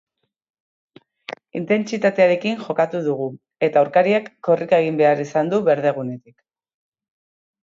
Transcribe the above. Intentsitatearekin jokatu dugu, eta aurkariak korrika egin behar izan du berdegunetik.